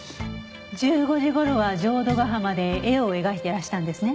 １５時頃は浄土ヶ浜で絵を描いてらしたんですね。